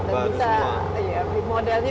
baru semua iya modelnya